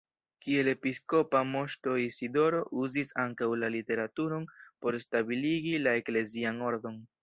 Kiel episkopa moŝto Isidoro uzis ankaŭ la literaturon por stabiligi la eklezian ordon.